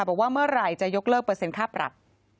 บอกว่าเมื่อไหร่จะยกเลิกเปอร์เซ็นค่าปรับ